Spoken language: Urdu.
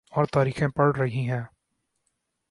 اورتاریخیں پڑ رہی ہیں۔